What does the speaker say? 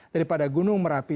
daripada gunung merapi